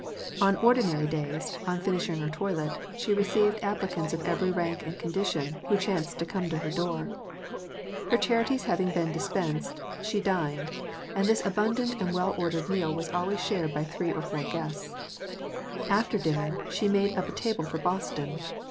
On ordinary days, on finishing her toilet, she received appli cants of every rank and condition who chanced to come to her door. Her cnarities having been dispensed, she dined ; and this abundant and well ordered meal was always shared by three or four guests; after dinner, she made up a table for Boston.